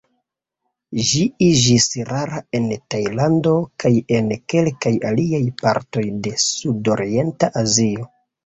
Ĝi iĝis rara en Tajlando kaj en kelkaj aliaj partoj de sudorienta Azio.